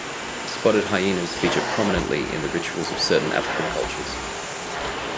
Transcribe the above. Spotted hyenas feature prominently in the rituals of certain African cultures.